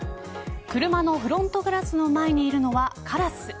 車のフロントガラスの前にいるのはカラス。